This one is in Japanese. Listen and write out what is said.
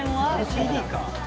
ＣＤか。